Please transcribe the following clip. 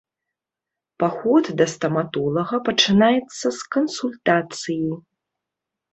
Паход да стаматолага пачынаецца з кансультацыі.